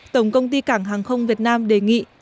tổng công ty cảng hàng không việt nam đề nghị